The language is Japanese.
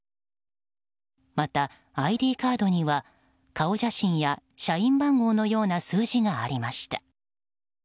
またＩＤカードには顔写真や社員番号のような数字がありました。